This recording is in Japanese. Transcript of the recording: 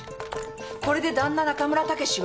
これで旦那中村武は。